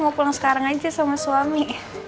mau pulang sekarang aja sama suami